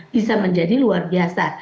bisa menjadi luar biasa